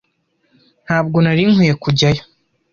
Ntabwo nari nkwiye kujyayo.